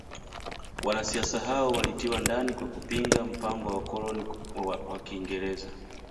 Wanasiasa hao walitiwa ndani kwa kupinga mpango wa wakoloni wa kiingereza